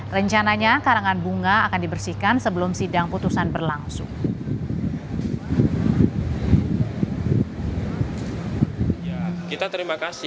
rencananya karangan bunga akan dibersihkan sebelum sidang putusan berlangsung